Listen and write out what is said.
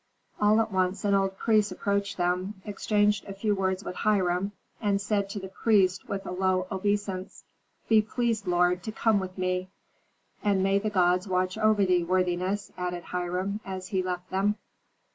All at once an old priest approached them, exchanged a few words with Hiram, and said to the prince with a low obeisance, "Be pleased, lord, to come with me." "And may the gods watch over thee, worthiness," added Hiram, as he left him.